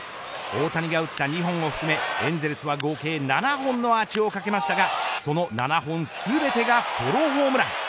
大谷が打った２本を含めエンゼルスは合計７本のアーチをかけましたがその７本全てがソロホームラン。